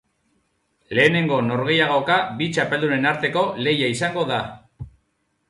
Lehenengo norgehiagoka bi txapeldunen arteko lehia izango da.